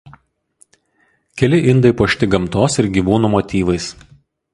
Keli indai puošti gamtos ir gyvūnų motyvais.